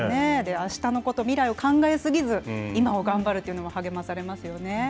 あしたのこと、未来のことを考えすぎず、今を頑張るというのは励まされますよね。